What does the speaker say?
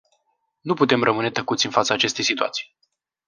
Nu putem rămâne tăcuți în fața acestei situații.